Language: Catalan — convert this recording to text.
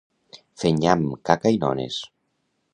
Fer nyam, caca i nones.